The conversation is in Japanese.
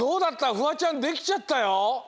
フワちゃんできちゃったよ。